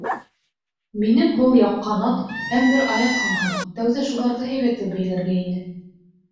Минең һул яҡ ҡанат һәм бер аяҡ һынған, тәүҙә шуларҙы һәйбәтләп бәйләргә ине.